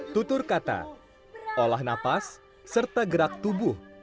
tutur kata olah napas serta gerak tubuh